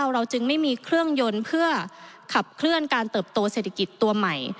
เราจึงไม่มีเครื่องยนต์เพื่อขับเคลื่อนการเติบโตเศรษฐกิจตัวใหม่